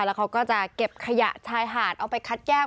แล้วเขาก็จะเก็บขยะชายหาดเอาไปคัดแยก